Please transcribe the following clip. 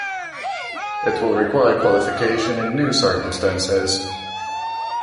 It will require qualification in new circumstances.